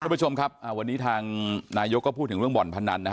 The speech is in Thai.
วันนี้ทางนายก็พูดถึงเรื่องว่อนพันนะฮะ